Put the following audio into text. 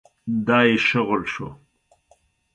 دا يې شغل شو.